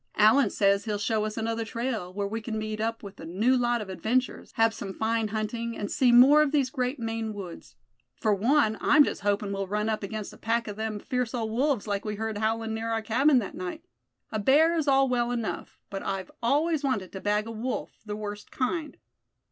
Allan says he'll show us another trail, where we c'n meet up with a new lot of adventures, have some fine hunting, and see more of these great Maine woods. For one I'm just hopin' we'll run up against a pack of them fierce old wolves like we heard howlin' near our cabin that night. A bear is all well enough, but I've always wanted to bag a wolf, the worst kind."